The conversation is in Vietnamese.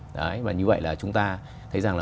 đấy và như vậy là chúng ta thấy rằng là